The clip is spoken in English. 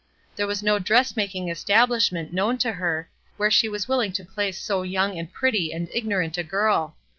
There was no dressmaking establishment known to her where she was willing to place so young and pretty and ignorant a girl.